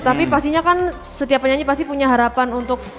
tapi pastinya kan setiap penyanyi pasti punya harapan untuk